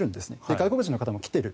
外国人の方も来ている。